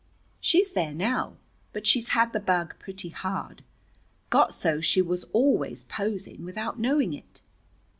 She's there now. But she's had the bug pretty hard. Got so she was always posing, without knowing it."